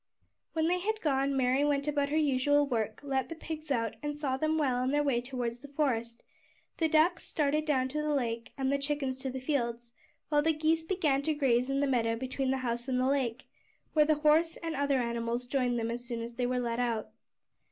When they had gone, Mary went about her usual work let the pigs out, and saw them well on their way towards the forest, the ducks started down to the lake and the chickens to the fields, while the geese began to graze in the meadow between the house and the lake, where the horse and other animals joined them as soon as they were let out.